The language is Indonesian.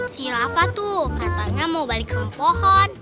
si rafa tuh katanya mau balik ke pohon